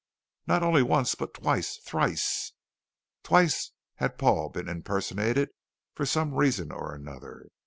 Not only once, but twice thrice! Twice had Paul been impersonated for some reason or another.